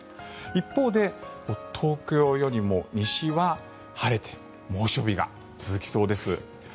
一方で、東京よりも西は晴れて猛暑日が続きそうです。